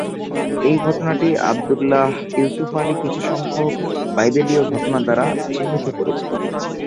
এই ঘটনাটি আব্দুল্লাহ ইউসুফ আলী কিছু সংখ্যক বাইবেলীয় ঘটনা দ্বারা চিহ্নিত করেছেন।